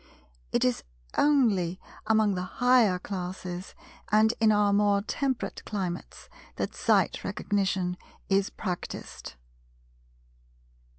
It is only among the higher classes and in our more temperate climates that Sight Recognition is practised.